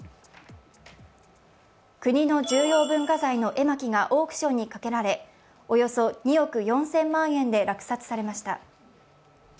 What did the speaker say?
国の重要文化財の絵巻がオークションにかけられ、およそ２億４０００万円で落札されました。